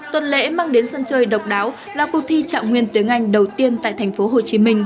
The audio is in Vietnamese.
tuần lễ mang đến sân chơi độc đáo là cuộc thi trạng nguyên tiếng anh đầu tiên tại tp hcm